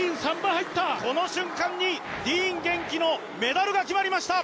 この瞬間に、ディーン元気のメダルが決まりました！